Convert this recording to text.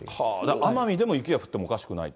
奄美でも雪が降ってもおかしくないと。